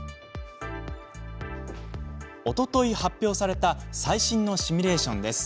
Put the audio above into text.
おととい１６日発表された最新のシミュレーションです。